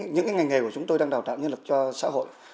những ngành nghề của chúng tôi đang đào tạo nhân lực cho xã hội